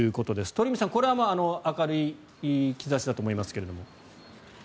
鳥海さん、これは明るい兆しだと思いますけれども。